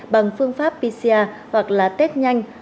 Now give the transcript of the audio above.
bằng phương pháp pcr hoặc là test nhanh